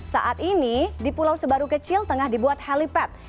saat ini di pulau sebaru kecil tengah dibuat helipad